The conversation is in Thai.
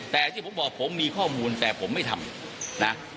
แต่ที่ผมบอกผมมีข้อมูลแต่ผมไม่ทำนะ